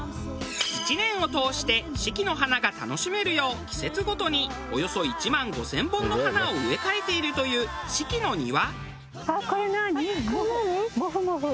１年を通して四季の花が楽しめるよう季節ごとにおよそ１万５０００本の花を植え替えているという四季の庭。